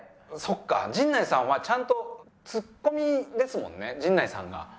そっか陣内さんはちゃんとツッコミですもんね陣内さんが。